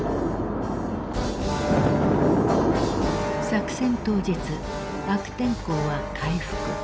作戦当日悪天候は回復。